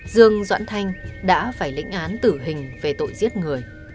dương doãn thanh đã phải lĩnh án tử hình về tội giết người